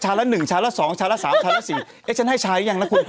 ชาไหมชาไหมชาไหมชาไหมชาไหมชาไหมชาไหมชาไหม